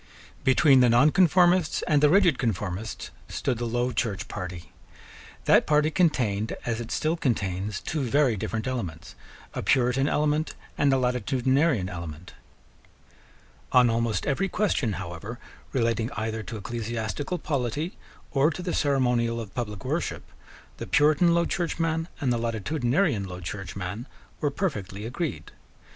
Between the nonconformists and the rigid conformists stood the Low Church party. That party contained, as it still contains, two very different elements, a Puritan element and a Latitudinarian element. On almost every question, however, relating either to ecclesiastical polity or to the ceremonial of public worship, the Puritan Low Churchman and the Latitudinarian Low Churchman were perfectly agreed.